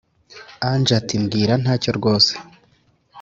ange ati"mbwira ntacyo rwose"